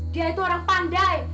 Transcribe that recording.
dia itu orang pandai